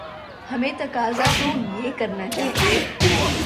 ہمیں تقاضا تو یہ کرنا چاہیے۔